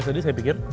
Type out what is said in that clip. jadi saya pikir